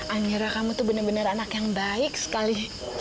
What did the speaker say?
akhirnya kamu tuh bener bener anak yang baik sekali